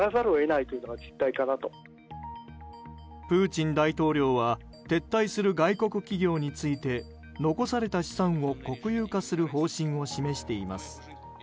プーチン大統領は撤退する外国企業について残された資産を国有化する方針を示しています。